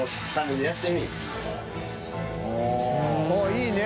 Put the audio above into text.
いいね。